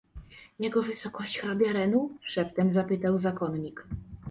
Jego wysokość hrabia Renu? — szeptem zapytał zakonnik.